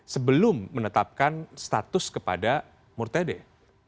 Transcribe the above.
sebelum menetapkan status kepada murtedeh